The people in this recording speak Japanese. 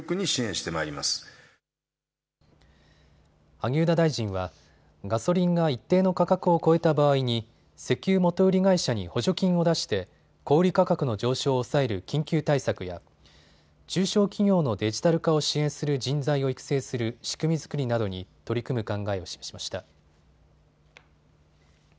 萩生田大臣はガソリンが一定の価格を超えた場合に石油元売り会社に補助金を出して小売価格の上昇を抑える緊急対策や中小企業のデジタル化を支援する人材を育成する仕組み作りなどに取り組む考えを示しました。